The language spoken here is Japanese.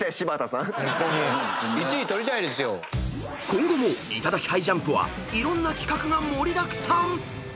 ［今後も『いただきハイジャンプ』はいろんな企画が盛りだくさん！］